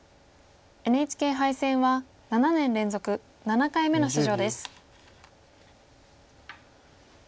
ＮＨＫ杯戦は７年連続７回目の出場です。